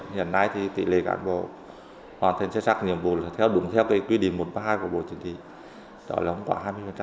hiện nay thì tỷ lệ cán bộ hoàn thành xuất sắc nhiệm vụ theo đúng theo quy định một trăm ba mươi hai của bộ chính trị đó là không quá hai mươi